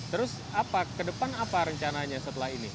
terus apa ke depan apa rencananya setelah ini